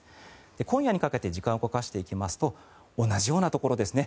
今夜にかけて時間を動かしていきますと同じようなところですね